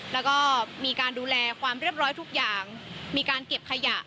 แล้วก็มีการดูแลความเรียบร้อยทุกอย่างมีการเก็บขยะ